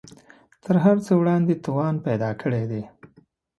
تر هر څه وړاندې توان پیدا کړی دی